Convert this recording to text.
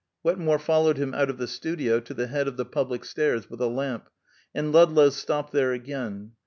Wetmore followed him out of the studio to the head of the public stairs with a lamp, and Ludlow stopped there again.